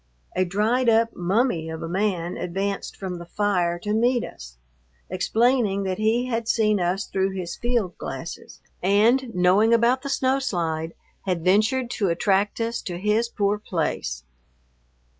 A dried up mummy of a man advanced from the fire to meet us, explaining that he had seen us through his field glasses and, knowing about the snow slide, had ventured to attract us to his poor place.